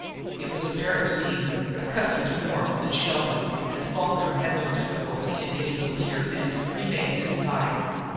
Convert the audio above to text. It was a Barracks team, accustomed to warmth and shelter, and Falkner had no difficulty in getting the leader and his three mates inside.